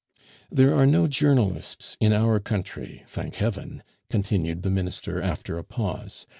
There are no journalists in our country, thank Heaven!" continued the Minister after a pause.